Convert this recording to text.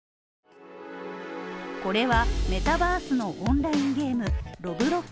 これは、メタバースのオンラインゲームＲｏｂｌｏｘ。